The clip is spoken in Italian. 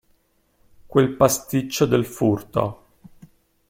Quel pasticcio del furto.